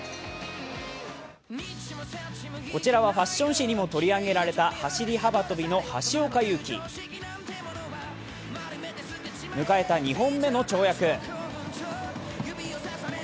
こちらはファッション誌にも取り上げられた走り幅跳びの橋岡優輝、迎えた２本目の跳躍。